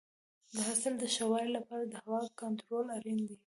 د حاصل د ښه والي لپاره د هوا کنټرول اړین دی.